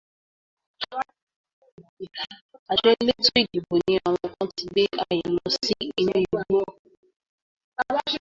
Àjọ elétò ìdìbò ní àwọn kan ti gbé ayò lọ sínú igbó